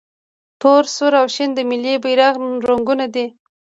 تور، سور او شین د ملي بیرغ رنګونه دي.